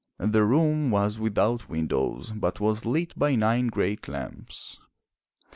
The room was without windows but was lit by nine great lamps.